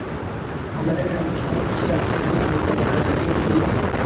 হামলাকারীরা আমাদের সময় পত্রিকার স্থানীয় প্রতিনিধি আবু কায়সারকে কুপিয়ে জখম করেন।